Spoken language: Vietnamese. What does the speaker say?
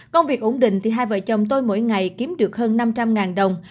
công việc ổn định thì hai vợ chồng tôi mỗi ngày kiếm được hơn năm trăm linh đồng